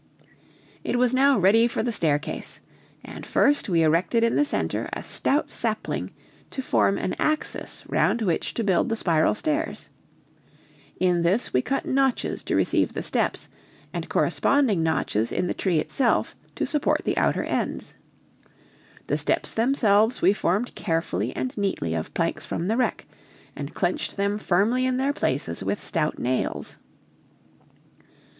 It was now ready for the staircase, and first we erected in the center a stout sapling to form an axis round which to build the spiral stairs; in this we cut notches to receive the steps, and corresponding notches in the tree itself to support the outer ends. The steps themselves we formed carefully and neatly of planks from the wreck, and clenched them firmly in their places with stout nails.